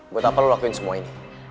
buat apa lo lakuin semua ini